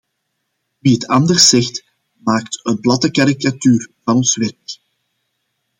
Wie het anders zegt maakt een platte karikatuur van ons werk.